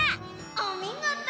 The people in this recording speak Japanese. おみごと！